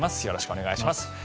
よろしくお願いします。